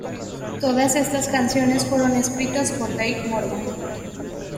Todas estas canciones fueron escritas por Dave Morgan.